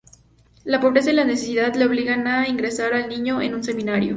La pobreza y la necesidad le obligan a ingresar al niño en un seminario.